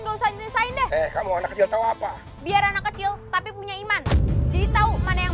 gausah ngasain deh kamu anaknya tahu apa biar anak kecil tapi punya iman jadi tahu mana yang